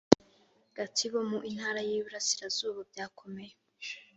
Gatsibo mu Intara y iburasirazuba byakomeye